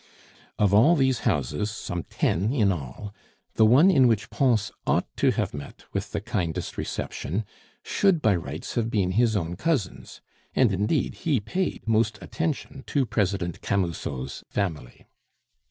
Of all these houses, some ten in all, the one in which Pons ought to have met with the kindest reception should by rights have been his own cousin's; and, indeed, he paid most attention to President Camusot's family.